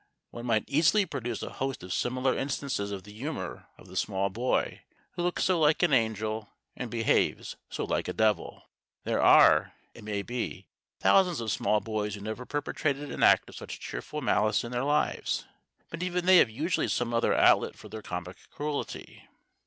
One might easily produce a host of similar instances of the humour of the small boy who looks so like an angel and behaves so like a devil. There are, it may be, thousands of small boys who never perpetrated an act of such cheerful malice in their lives. But even they have usually some other outlet for their comic cruelty.